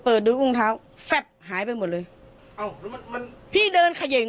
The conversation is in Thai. เปิดดูอุ้งท้าวแฟบหายไปหมดเลยอ้าวมันมันพี่เดินขยัง